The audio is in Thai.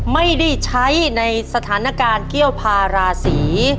ไม่ได้ใช้ในสถานการณ์เกี้ยวพาราศี